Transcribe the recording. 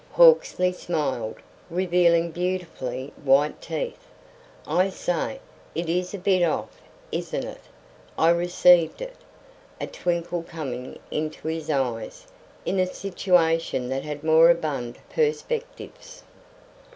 Hawksley smiled, revealing beautifully white teeth. "I say, it is a bit off, isn't it! I received it" a twinkle coming into his eyes "in a situation that had moribund perspectives."